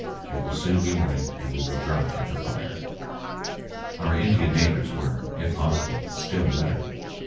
It will soon be morning and we will dry at the fire." Our Indian neighbors were, if possible, still wetter.